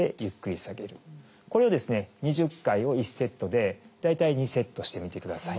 これをですね２０回を１セットで大体２セットしてみてください。